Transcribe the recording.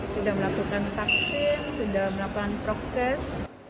sudah melakukan vaksin sudah melakukan prokes